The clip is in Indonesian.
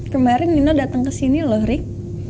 kemarin nino datang kesini loh rick